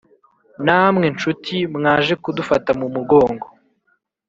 namwe nshuti mwaje kudufata mu mugongo